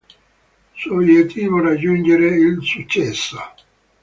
Suo obiettivo: raggiungere il successo!